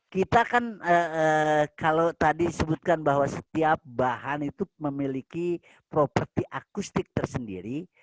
kita kan kalau tadi disebutkan bahwa setiap bahan itu memiliki properti akustik tersendiri